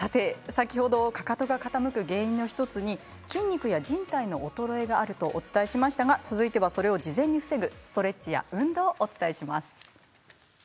先ほどかかとが傾く原因の１つに筋肉やじん帯の衰えがあるとお伝えしましたが続いてはそれを事前に防ぐストレッチや運動をお伝えします。